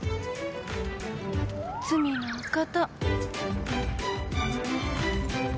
罪なお方。